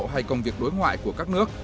hay công việc đối ngoại của các nước